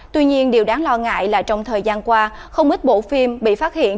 tuy nhiên điều đáng lo ngại là trong thời gian qua không ít bộ phim bị phát hiện